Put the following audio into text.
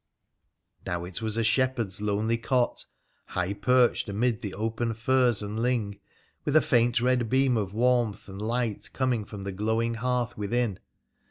Now it was a shepherd's lonely cot, high perched amid the open furze and ling, with & faint red beam of warmth and light coming from the glowing hearth within.